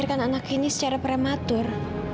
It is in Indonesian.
anak ini secara prematur